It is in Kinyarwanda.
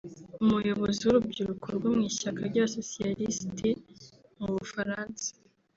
umuyobozi w ‘urubyiruko rwo mu ishyaka ry’Abasosiyalisiti mu Bufaransa